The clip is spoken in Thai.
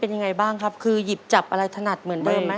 อเรนนี่ต้องมีวัคซีนตัวหนึ่งเพื่อที่จะช่วยดูแลพวกม้ามและก็ระบบในร่างกาย